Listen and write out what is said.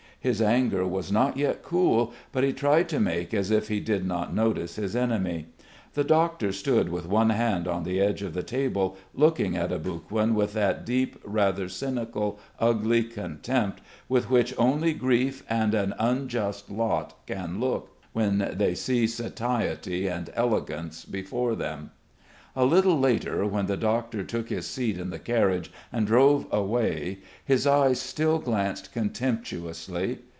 His anger was not yet cool, but he tried to make as if he did not notice his enemy.... The doctor stood with one hand on the edge of the table, looking at Aboguin with that deep, rather cynical, ugly contempt with which only grief and an unjust lot can look, when they see satiety and elegance before them. A little later, when the doctor took his seat in the carriage and drove away, his eyes still glanced contemptuously.